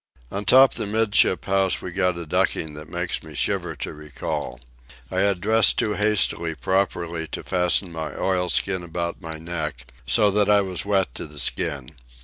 On top the 'midship house we got a ducking that makes me shiver to recall. I had dressed too hastily properly to fasten my oilskin about my neck, so that I was wet to the skin.